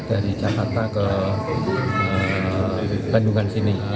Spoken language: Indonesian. dari jakarta ke bandungan sini